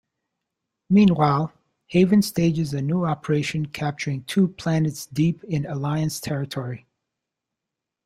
Meanwhile, Haven stages a new operation capturing two planets deep in Alliance territory.